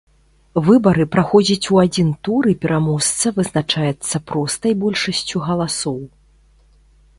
Выбары праходзяць у адзін тур і пераможца вызначаецца простай большасцю галасоў.